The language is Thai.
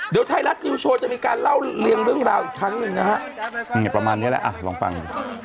เดี๋ยวไทยรัฐนิวโชว์จะมีการเล่าเรียงเรื่องราวอีกครั้งหนึ่งนะฮะประมาณนี้แหละลองฟัง